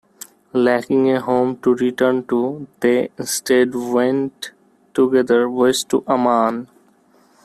Lacking a home to return to, they instead went together west to Aman.